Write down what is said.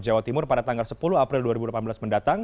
jawa timur pada tanggal sepuluh april dua ribu delapan belas mendatang